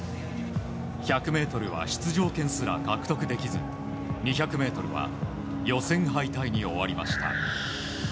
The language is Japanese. １００ｍは出場権すら獲得できず２００ｍは予選敗退に終わりました。